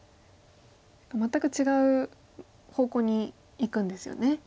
全く違う方向にいくんですよね。